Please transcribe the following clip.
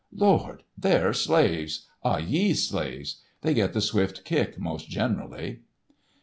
"Lord! they're slaves—Ah Yee's slaves! They get the swift kick most generally."